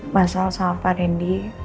masalah sama pak rendy